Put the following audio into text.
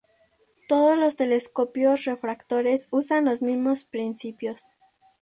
Todos los telescopios refractores usan los mismos principios.